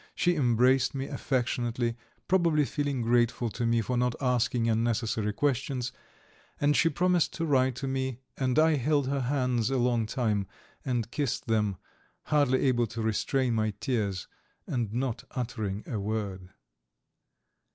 She embraced me affectionately, probably feeling grateful to me for not asking unnecessary questions, and she promised to write to me, and I held her hands a long time, and kissed them, hardly able to restrain my tears and not uttering a word.